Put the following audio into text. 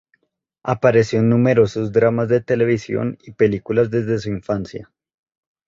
Apareció en numerosos dramas de televisión y películas desde su infancia.